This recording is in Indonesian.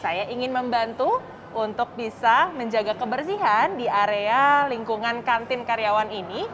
saya ingin membantu untuk bisa menjaga kebersihan di area lingkungan kantin karyawan ini